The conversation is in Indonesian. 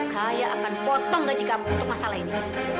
kaya akan potong gaji kamu untuk masalah ini